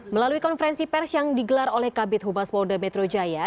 melalui konferensi pers yang digelar oleh kabit humas polda metro jaya